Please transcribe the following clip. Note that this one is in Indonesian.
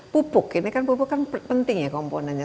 pupuk ini kan penting ya komponennya